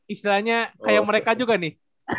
istilahnya kayak mereka juga nih